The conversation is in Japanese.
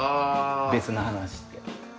「別な話」って。